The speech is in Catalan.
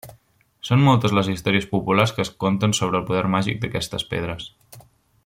Són moltes les històries populars que es conten sobre el poder màgic d'aquestes pedres.